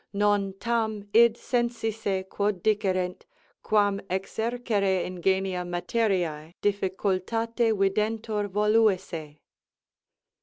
_Non tam id sensisse quod dicerent, quam exercere ingénia materio difficultate videntur voluisse.